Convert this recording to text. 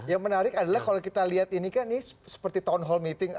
yang menarik adalah kalau kita lihat ini kan ini seperti town hall meeting